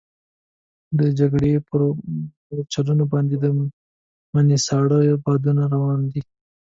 د جګړې پر مورچلونو باندې د مني ساړه بادونه روان دي.